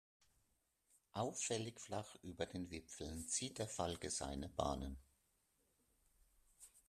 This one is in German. Auffällig flach über den Wipfeln zieht der Falke seine Bahnen.